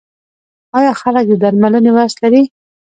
آیا خلک د درملنې وس لري؟